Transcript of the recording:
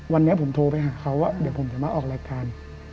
วันนี้ผมโทรไปหาเขาว่าเดี๋ยวผมจะมาออกรายการ